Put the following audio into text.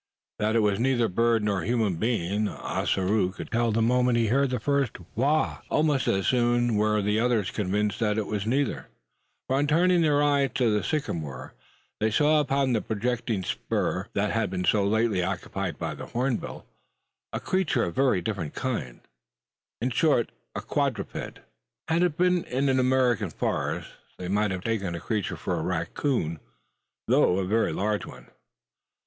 That it was neither bird nor human being, Ossaroo could tell the moment he heard the first "wha." Almost as soon were the others convinced that it was neither: for on turning their eyes to the sycamore, they saw upon the projecting spur that had been so lately occupied by the hornbill, a creature of a very different kind in short, a quadruped. Had it been in an American forest, they might have taken the creature for a racoon though a very large one.